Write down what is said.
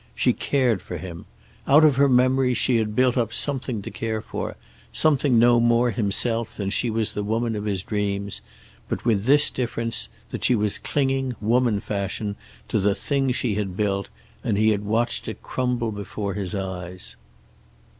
She cared for him. Out of her memories she had built up something to care for, something no more himself than she was the woman of his dreams; but with this difference, that she was clinging, woman fashion, to the thing she had built, and he had watched it crumble before his eyes.